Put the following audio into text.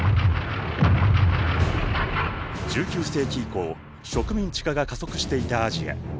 １９世紀以降植民地化が加速していたアジア。